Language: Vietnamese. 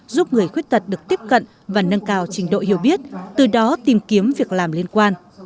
giúp người khuyết tật được tiếp cận và nâng cao trình độ hiểu biết từ đó tìm kiếm việc làm liên quan